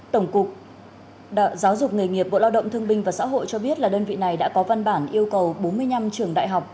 tổng cục giáo dục nghề nghiệp bộ lao động thương binh và xã hội cho biết là đơn vị này đã có văn bản yêu cầu bốn mươi năm trường đại học